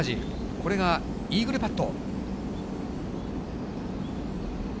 これがイーグルパット。